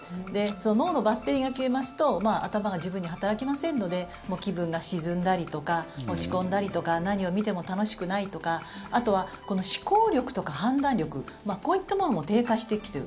脳のバッテリーが切れますと頭が十分に働きませんので気分が沈んだりとか落ち込んだりとか何を見ても楽しくないとかあとは思考力とか判断力こういったものも低下してきている。